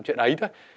chuyện ấy thôi